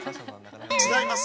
違います。